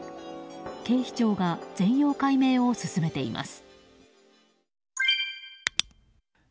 警視庁が全容解明を進めています。